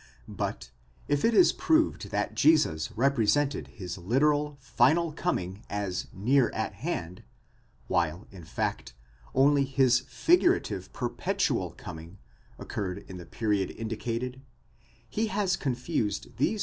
But if 'it is proved that Jesus represented his literal, final coming as near at hand, while, in fact, only his figurative per petual coming occurred in the period indicated : he has confused these two